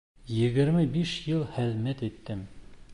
Егерме биш йыл хеҙмәт иттем!